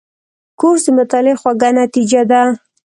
کورس د مطالعې خوږه نتیجه ده.